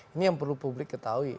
ini yang perlu publik ketahui